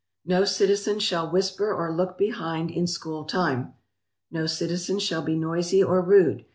"No citizen shall whisper or look behind in school time. "No citizen shall be noisy or rude.